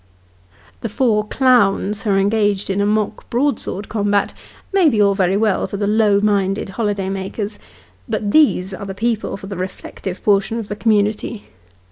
The four clowns, who are engaged in a mock broad sword combat, may be all very well for the low minded holiday makers; but these are the people for the reflective portion of the community.